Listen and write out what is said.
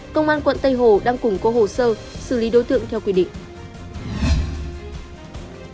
công an quận tây hồ đang củng cố hồ sơ xử lý đối tượng theo quy định